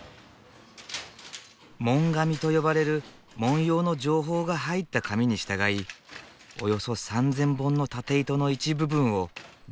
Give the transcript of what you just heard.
紋紙と呼ばれる文様の情報が入った紙に従いおよそ３，０００本の縦糸の一部分を上下に分け